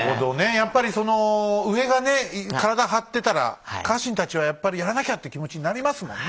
やっぱりその上がね体張ってたら家臣たちはやっぱりやらなきゃって気持ちになりますもんね。